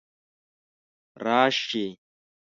راشي